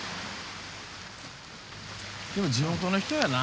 でも地元の人やな。